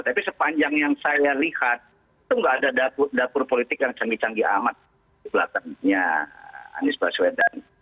tapi sepanjang yang saya lihat itu nggak ada dapur politik yang canggih canggih amat di belakangnya anies baswedan